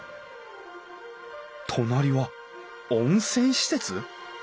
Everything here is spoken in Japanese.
隣は温泉施設？